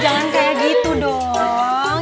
jangan kayak gitu dong